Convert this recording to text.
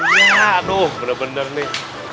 iya aduh bener bener nih